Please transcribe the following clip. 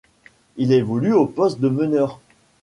Il évolue au poste de meneur.